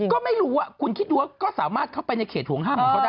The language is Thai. ก็ไม่รู้อะคุณคิดดูก็สามารถเข้าไปในเขตห่วงห้าม